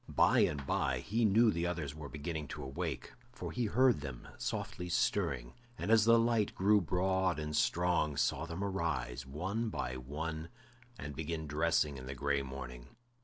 By and by he knew the others were beginning to awake, for he heard them softly stirring, and as the light grew broad and strong, saw them arise, one by one, and begin dressing in the gray morning.